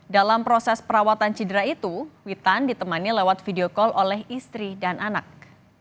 dalam proses perawatan cedera itu witan ditemani lewat video call oleh istri dan anak